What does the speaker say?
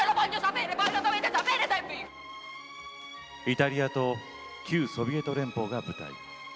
イタリアと旧ソビエト連邦が舞台。